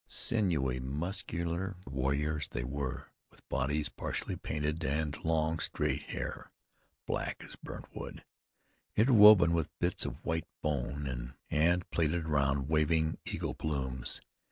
Sinewy, muscular warriors they were, with bodies partially painted, and long, straight hair, black as burnt wood, interwoven with bits of white bone, and plaited around waving eagle plumes.